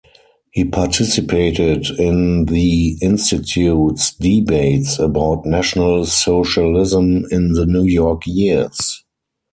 He participated in the Institute's debates about national socialism in the New York years.